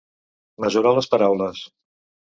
Mesurar les paraules.